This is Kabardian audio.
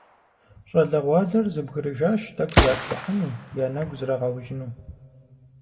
ЩӀалэгъуалэр зэбгрыжащ тӀэкӀу заплъыхьыну, я нэгу зрагъэужьыну.